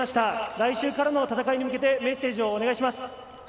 来週からの戦いに向けてメッセージをお願いします。